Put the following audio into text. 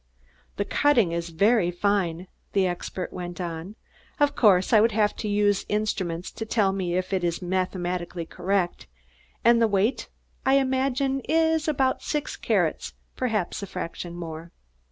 "The cutting is very fine," the expert went on. "Of course I would have to use instruments to tell me if it is mathematically correct; and the weight, I imagine, is is about six carats, perhaps a fraction more."